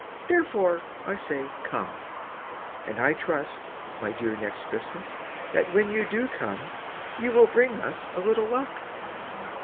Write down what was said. Therefore, I say "Come," And I trust, my dear Next Christmas, That when you do come You will bring us a little luck.